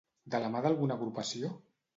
De la mà d'alguna agrupació?